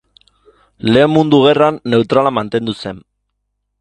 Lehen Mundu Gerran neutrala mantendu zen.